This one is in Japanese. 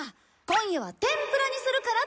今夜は天ぷらにするからって。